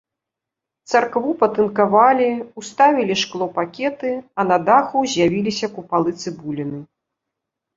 Царкву патынкавалі, уставілі шклопакеты, а на даху з'явіліся купалы-цыбуліны.